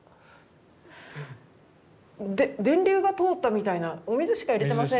電流が通ったみたいなお水しか入れてませんよね。